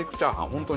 本当に。